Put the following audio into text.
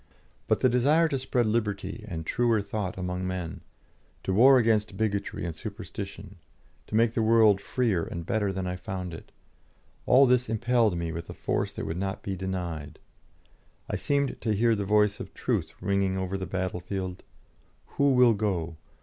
But the desire to spread liberty and truer thought among men, to war against bigotry and superstition, to make the world freer and better than I found it all this impelled me with a force that would not be denied. I seemed to hear the voice of Truth ringing over the battlefield: "Who will go?